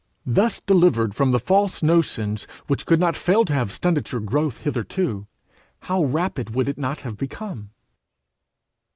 Thus delivered from the false notions which could not fail to have stunted your growth hitherto, how rapid would it not have become!